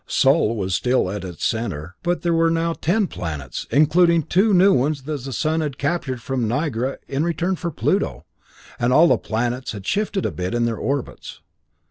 Sol was still at its center, but there were now ten planets, including two new ones that the sun had captured from Nigra in return for Pluto; and all the planets had shifted a bit in their orbits.